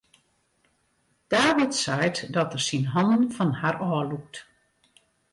David seit dat er syn hannen fan har ôflûkt.